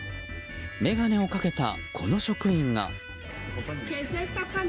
眼鏡をかけたこの職員が。